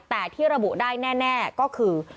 แต่ที่ระบุได้แน่ก็คือ